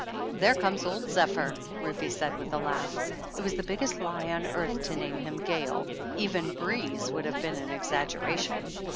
"There comes old Zephyr," Rufe said with a laugh. "It was the biggest lie on earth to name him Gayle. Even Breeze would have been an exaggeration."